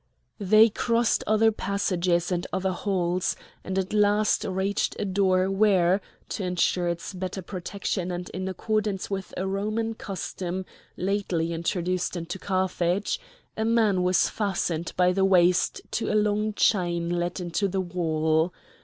They crossed other passages and other halls, and at last reached a door where, to ensure its better protection and in accordance with a Roman custom lately introduced into Carthage, a man was fastened by the waist to a long chain let into the wall.